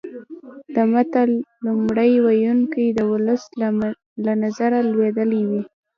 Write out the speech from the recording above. د متل لومړی ویونکی د ولس له نظره لویدلی وي